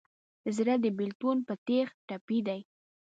زړه د بېلتون په تیغ ټپي دی.